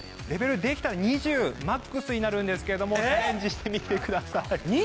レベルはできたら２０マックスになるんですけれどもチャレンジしてみてください。